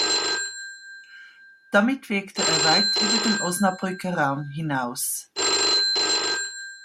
Damit wirkte er weit über den Osnabrücker Raum hinaus.